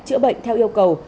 chữa bệnh theo yêu cầu